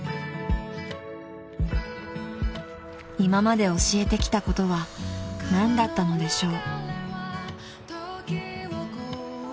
［今まで教えてきたことは何だったのでしょう］